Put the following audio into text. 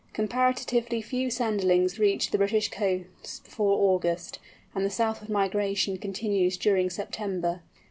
Comparatively few Sanderlings reach the British coasts before August, and the southward migration continues during September.